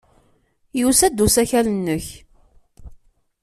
Yusa-d usakal-nnek.